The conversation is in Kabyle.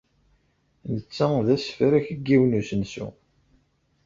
Netta d asefrak n yiwen n usensu.